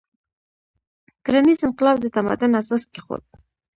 کرنیز انقلاب د تمدن اساس کېښود.